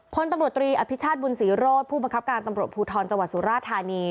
พลตำรวจตรีอภิชาติบุญศรีโรธผู้บังคับการตำรวจภูทรจังหวัดสุราธานี